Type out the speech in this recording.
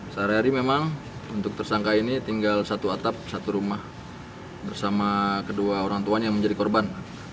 sehari hari memang untuk tersangka ini tinggal satu atap satu rumah bersama kedua orang tuanya yang menjadi korban